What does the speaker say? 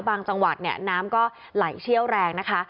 จังหวัดเนี่ยน้ำก็ไหลเชี่ยวแรงนะคะ